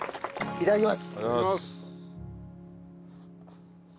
いただきます。